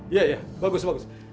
iya ya bagus bagus